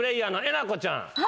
なこちゃん。